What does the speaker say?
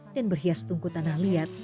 dan berhias tungku tanah liat